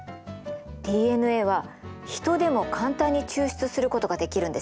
ＤＮＡはヒトでも簡単に抽出することができるんですよ。